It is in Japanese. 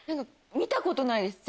見たことないです。